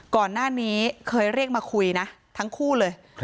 ก่อนหน้านี้เคยเรียกมาคุยนะทั้งคู่เลย